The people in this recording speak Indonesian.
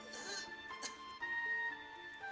edites pake coba haruan aja